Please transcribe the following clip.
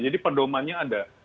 jadi pedomannya ada